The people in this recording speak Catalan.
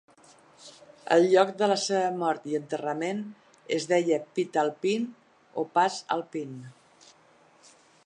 El lloc de la seva mort i enterrament es deia Pitalpin o Pas-alpin.